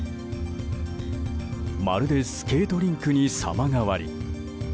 まるでスケートリンクに様変わり。